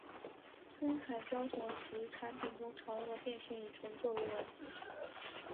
生产虫胶及其产品中常用变性乙醇作为溶剂。